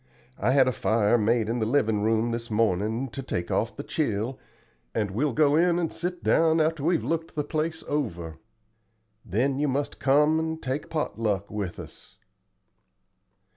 I had a fire made in the livin' room this mornin', to take off the chill, and we'll go in and sit down after we've looked the place over. Then you must come and take pot luck with us."